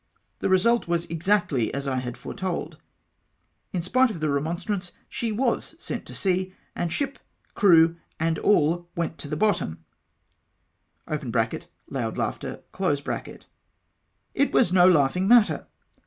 The result was ex actly as I had foretold. In spite of remonstrance, she was sent to sea, and ship, crew, and all went to the bottom (loud lauo'hter). It was no laughing matter.